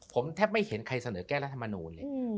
ผมแทบไม่เห็นใครเสนอแก้รัฐมนูลเลย